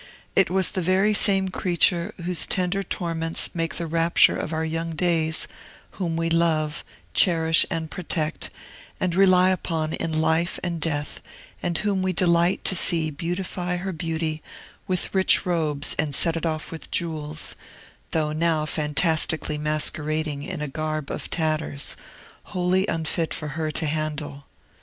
It was the very same creature whose tender torments make the rapture of our young days, whom we love, cherish, and protect, and rely upon in life and death, and whom we delight to see beautify her beauty with rich robes and set it off with jewels, though now fantastically masquerading in a garb of tatters, wholly unfit for her to handle.